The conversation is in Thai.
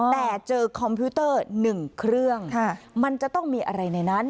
แต่เจอคอมพิวเตอร์๑เครื่องมันจะต้องมีอะไรในนั้น